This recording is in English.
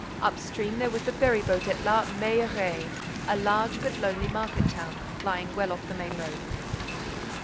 Up stream, there was the ferry boat at La Mailleraie, a large, but lonely market town, lying well off the main road.